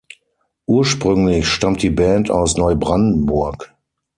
Ursprünglich stammt die Band aus Neubrandenburg.